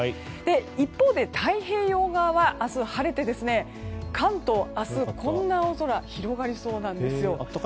一方で太平洋側は明日、晴れて関東明日、こんな青空広がりそうなんですよ。